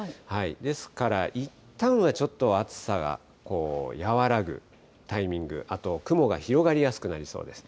ですからいったんはちょっと暑さが和らぐタイミング、あと雲が広がりやすくなりそうです。